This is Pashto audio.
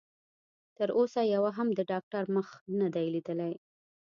تر اوسه يوه هم د ډاکټر مخ نه دی ليدلی.